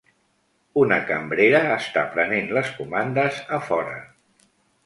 Una cambrera està prenent les comandes a fora.